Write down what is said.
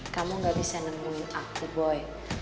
kamu gak bisa nemuin aku boy